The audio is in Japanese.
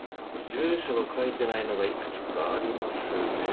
住所が書いてないのが幾つかありますね。